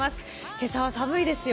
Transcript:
今朝は寒いですよ。